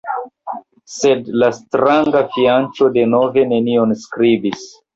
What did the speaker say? Sed la stranga fianĉo denove nenion skribis.